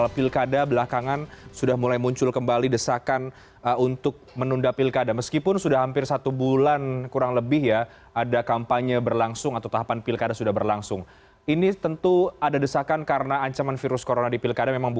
pemilu yang terpapar covid sembilan belas